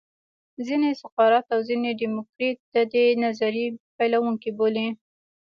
ځینې سقرات او ځینې دیموکریت د دې نظریې پیلوونکي بولي